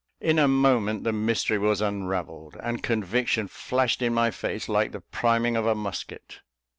In a moment the mystery was unravelled, and conviction flashed in my face like the priming of a musket.